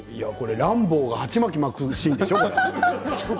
「ランボー」が鉢巻きを巻くシーンでしょう。